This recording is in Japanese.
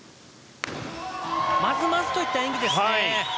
まずまずといった演技ですね。